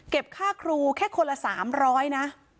ค่าครูแค่คนละ๓๐๐นะ